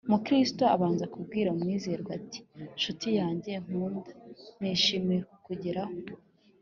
Mukristo abanza kubwira Mwizerwa ati: “Nshuti yanjye nkunda, nishimiye kukugeraho